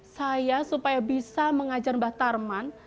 saya supaya bisa mengajar mbak tarman